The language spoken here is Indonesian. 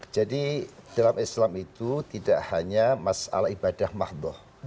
jadi dalam islam itu tidak hanya masalah ibadah mahdoh